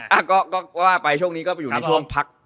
แล้วก็ว่าไปช่วงนี้อยู่ช่วงพัก